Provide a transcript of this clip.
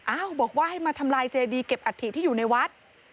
บอกว่าให้มาทำลายเจดีเก็บอัฐิที่อยู่ในวัด